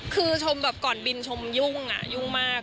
คือชมแบบก่อนบินชมยุ่งอ่ะยุ่งมาก